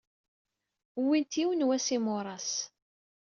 Uwyent yiwen wass n yimuras.